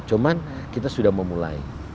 cuma kita sudah memulai